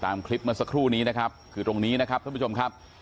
ตามคลิปเมื่อสักครู่นี้นะครับคือตรงนี้นะครับท่านผู้ชมครับ